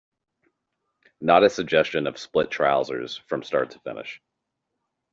Not a suggestion of split trousers from start to finish.